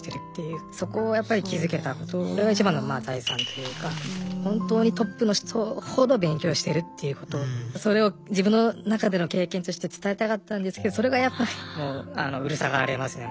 そこをやっぱり気付けたことこれが一番の財産というか本当にトップの人ほど勉強してるっていうことそれを自分の中での経験として伝えたかったんですけどそれがやっぱりうるさがられますね。